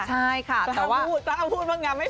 ใช่ค่ะแต่ว่าสถาบูรณ์พูดว่างานไม่แพ้